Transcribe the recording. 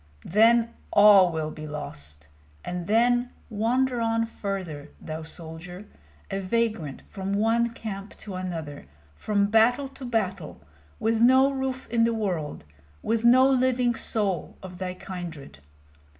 Then all will be lost! And then wander on farther, thou soldier, a vagrant from one camp to another, from battle to battle, with no roof in the world, with no living soul of thy kindred!